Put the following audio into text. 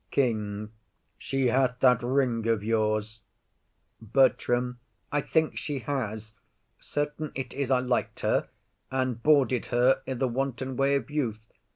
KING. She hath that ring of yours. BERTRAM. I think she has. Certain it is I lik'd her And boarded her i' the wanton way of youth.